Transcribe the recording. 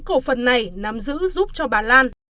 cổ phần này nắm giữ giúp cho bà lan